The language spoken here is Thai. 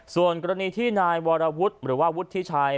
ส่วนกรณีที่นายวรวุฒิหรือว่าวุฒิชัย